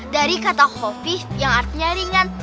dari kata kopi yang artinya ringan